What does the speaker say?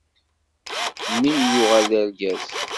Mmi yuɣal d argaz.